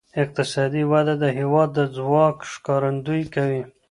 اقتصادي وده د هېواد د ځواک ښکارندویي کوي.